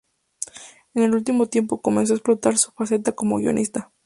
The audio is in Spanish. En el último tiempo comenzó a explotar su faceta como guionista.